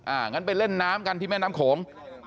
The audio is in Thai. งั้นไปเล่นน้ำกันที่แม่น้ำโขง